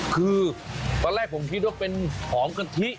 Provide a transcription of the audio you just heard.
คือตอนแรกผมคิดว่าเป็นหอมกะทิ